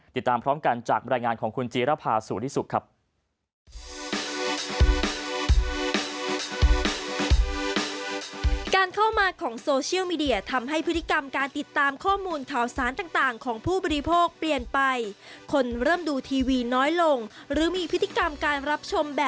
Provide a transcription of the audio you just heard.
ติดตามพร้อมกันจากบรรยายงานของคุณจีรภาสุริสุขครับ